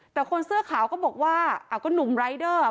แต่คนเสื้อขาวก็บอกว่าก็หนุ่มรายเดอร์อ่ะ